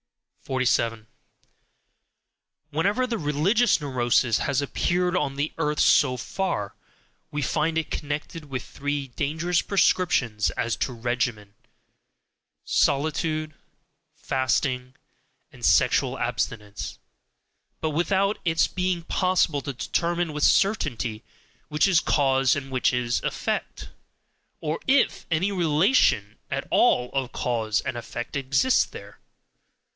47. Wherever the religious neurosis has appeared on the earth so far, we find it connected with three dangerous prescriptions as to regimen: solitude, fasting, and sexual abstinence but without its being possible to determine with certainty which is cause and which is effect, or IF any relation at all of cause and effect exists there.